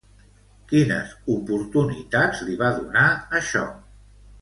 Quines oportunitats li va donar això?